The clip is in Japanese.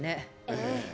ええ。